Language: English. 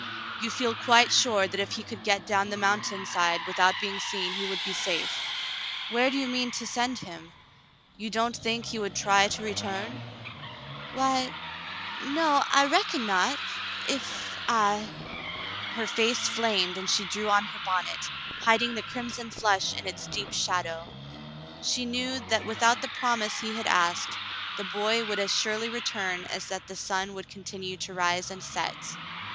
"You feel quite sure that if he could get down the mountain side without being seen, he would be safe ; where do you mean to send him ? You don't think he would try to return ?"" Why — no, I reckon not — if — I —" Her face flamed, and she drew on her bonnet, hiding the crimson flush in its deep shadow. She knew that without the promise he had asked, the boy would as surely return as that the sun would continue to rise and set.